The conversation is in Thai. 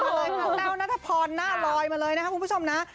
อะไรมาแป้วนาธพรหน้าลอยมาเลยนะครับคุณผู้ชมนะ